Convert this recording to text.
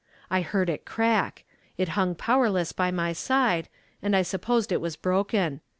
I heard it crack; it hung powerless by my side, and I supposed it was broken.